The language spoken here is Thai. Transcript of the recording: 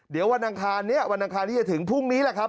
เดี๋ยววันอังคารนี้วันอังคารที่จะถึงพรุ่งนี้แหละครับ